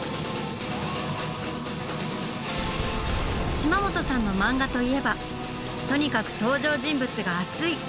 島本さんの漫画といえばとにかく登場人物が熱い！